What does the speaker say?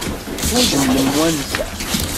Teḥwajem lemwansa?